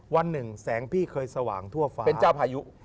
วันหนึ่งแสงพี่เคยสว่างทั่วฟ้าเป็นเจ้าพายุ